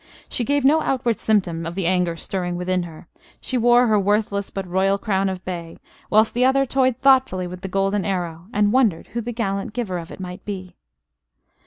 She gave no outward symptom of the anger stirring within her: she wore her worthless but royal crown of bay, whilst the other toyed thoughtfully with the golden arrow, and wondered who the gallant giver of it might be.